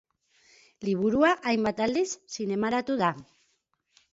Liburua hainbat aldiz zinemaratu da.